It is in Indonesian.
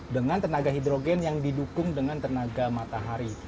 dengan tenaga hidrogen yang didukung dengan tenaga matahari